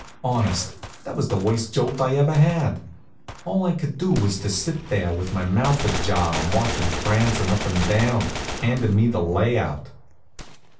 Honest, that was the worst jolt I ever had. All I could do was to sit there with my mouth ajar and watch him prancin' up and down, handin' me the layout.